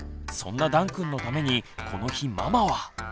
そんなだんくんのためにこの日ママは。